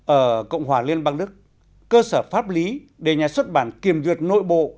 ở cộng hòa liên bang đức cơ sở pháp lý để nhà xuất bản kiểm duyệt nội bộ